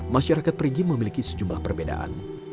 masyarakat nelayan juga memiliki beberapa perbedaan